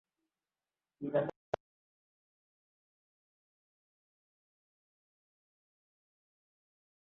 শীতাতপ নিয়ন্ত্রিত এই মসজিদটির শৈলীতে তাজমহলের মতো করে নকশা করা হয়েছিল।